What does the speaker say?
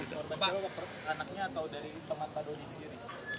pak anaknya atau dari teman pak dodi sendiri